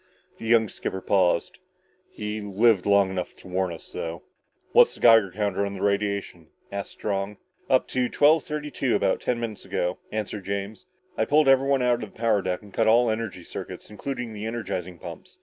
The young skipper paused. "He lived long enough to warn us, though." "What's the Geiger count on the radiation?" asked Strong. "Up to twelve thirty two about ten minutes ago," answered James. "I pulled everybody out of the power deck and cut all energy circuits, including the energizing pumps.